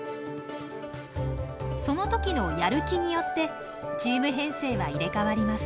その時のやる気によってチーム編成は入れ代わります。